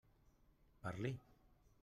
Parli!